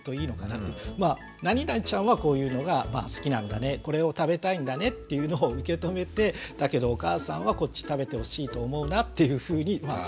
まあ何々ちゃんはこういうのが好きなんだねこれを食べたいんだねっていうのを受け止めてだけどお母さんはこっち食べてほしいと思うなっていうふうに伝えていくとか。